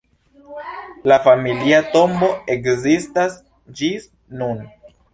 La familia tombo ekzistas ĝis nun.